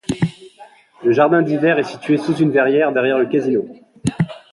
Le jardin d’hiver est situé sous une verrière derrière le casino.